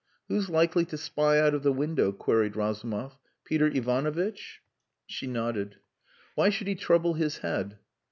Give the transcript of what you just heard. "Who's likely to spy out of the window?" queried Razumov. "Peter Ivanovitch?" She nodded. "Why should he trouble his head?"